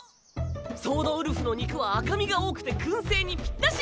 ソードウルフの肉は赤身が多くて燻製にぴったし！